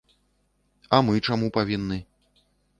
А мы чаму павінны?